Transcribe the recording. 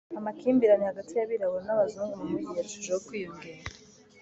amakimbirane hagati y'abirabura n'abazungu mu mujyi yarushijeho kwiyongera